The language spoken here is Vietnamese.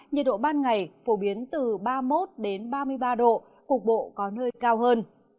nhiệt độ ban ngày phổ biến từ ba mươi một ba mươi ba độ cục bộ có nơi cao hơn